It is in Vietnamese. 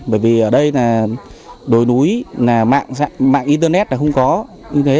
bởi vì ở đây là đồi núi là mạng internet là không có như thế